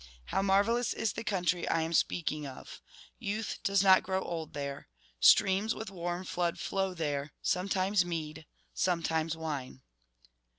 How marvellous is the country I am speaking of ! Youth does not grow old there. Streams with warm flood flow there; sometimes mead, sometimes wine.